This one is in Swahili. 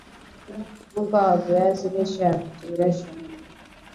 unga wa viazi lishe una virutubisho vingi